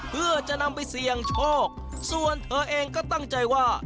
เพื่อจะนำไปเสี่ยงโชคส่วนเธอเองก็ตั้งใจว่า